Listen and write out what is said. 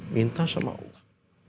minta sama allah